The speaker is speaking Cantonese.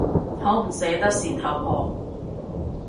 好唔捨得事頭婆